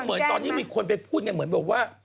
เหมือนตอนนี้มีคนไปพูดกันเหมือนบอกว่า